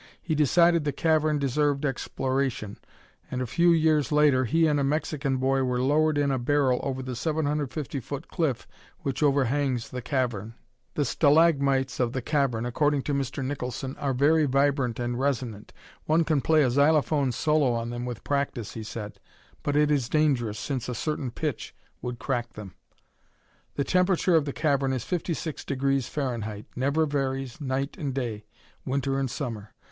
He decided the cavern deserved exploration, and a few years later he and a Mexican boy were lowered in a barrel over the 750 foot cliff which overhangs the cavern. The stalagmites of the cavern, according to Mr. Nicholson, are very vibrant and resonant. One can play a "xylophone solo" on them with practice, he said, but it is dangerous, since a certain pitch would crack them. The temperature of the cavern is 56 degrees Fahrenheit, never varies, day and night, winter and summer.